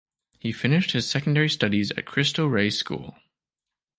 He finished his secondary studies at Cristo Rey School.